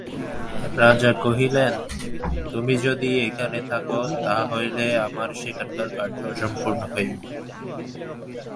রাজা কহিলেন, তুমি যদি এখানে থাক তাহা হইলে আমার সেখানকার কার্য অসম্পূর্ণ হইবে।